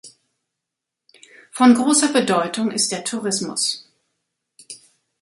Von großer Bedeutung ist der Tourismus.